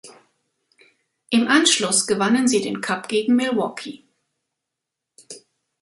Im Anschluss gewannen sie den Cup gegen Milwaukee.